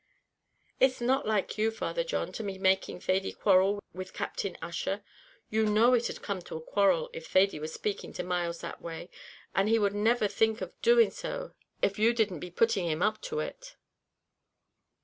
"It's not like you, Father John, to be making Thady quarrel with Captain Ussher. You know it'd come to a quarrel if Thady was to be spaking to Myles that way; and he would never think of doing so av you didn't be putting him up to it."